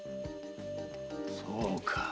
そうか。